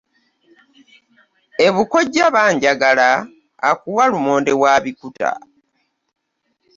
E bukojja banjagala, akuwa lumonde wa bikuta.